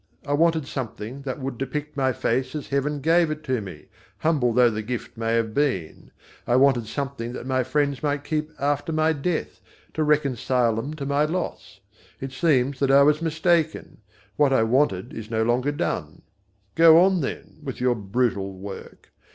I wanted something that would depict my face as Heaven gave it to me, humble though the gift may have been. I wanted something that my friends might keep after my death, to reconcile them to my loss. It seems that I was mistaken. What I wanted is no longer done. Go on, then, with your brutal work.